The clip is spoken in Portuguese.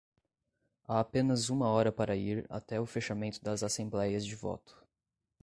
Há apenas uma hora para ir até o fechamento das assembleias de voto.